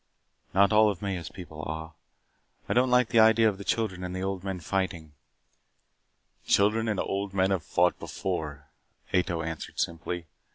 "Not all of Maya's people are," Odin said. "I don't like the idea of the children and old men fighting." "Children and old men have fought before," Ato answered simply.